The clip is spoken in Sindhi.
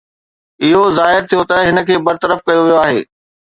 اهو ظاهر ٿيو ته هن کي برطرف ڪيو ويو آهي